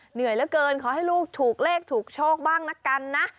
เหนื่อยเหลือเกินขอให้ลูกถูกเลขถูกโชคบ้างละกันนะ